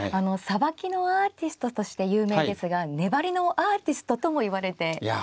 さばきのアーティストとして有名ですが粘りのアーティストともいわれていますよね。